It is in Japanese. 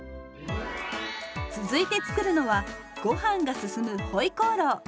続いて作るのはごはんが進む「ホイコーロー」。